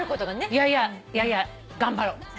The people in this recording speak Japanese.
いやいやいやいや頑張ろう。